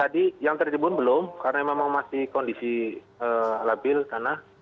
tadi yang tertimbun belum karena memang masih kondisi labil tanah